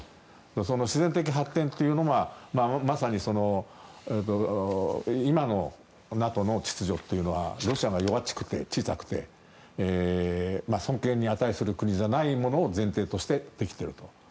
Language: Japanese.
その自然的発展というのがまさに今のＮＡＴＯの秩序というのはロシアが弱っちくて小さくて尊敬に値する国じゃないものを前提としてできていると。